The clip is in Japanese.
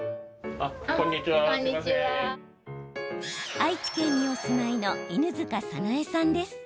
愛知県にお住まいの犬塚早苗さんです。